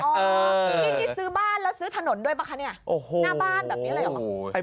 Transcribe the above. นี่ซื้อบ้านแล้วซื้อถนนด้วยป่ะคะเนี่ยหน้าบ้านแบบนี้เลยเหรอ